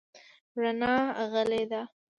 رڼا غلې ده .